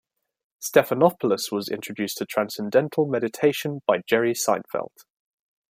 Stephanopoulos was introduced to transcendental meditation by Jerry Seinfeld.